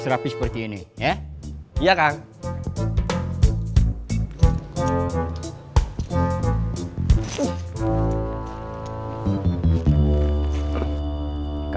kalau dikp mandarin akhirnya